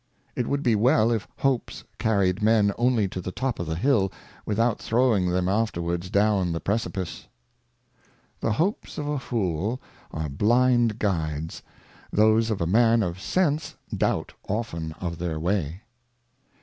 237 It would be well if Hopes carried Men only to the top of the Hill, without throwing them afterwards down the Precipice. The Hopes of a Fool are blind Guides, those of a Man of Sense doubt often of their Way.